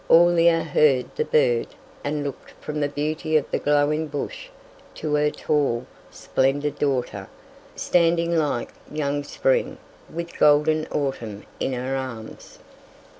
Aurelia heard the bird and looked from the beauty of the glowing bush to her tall, splendid daughter, standing like young Spring with golden Autumn in her arms.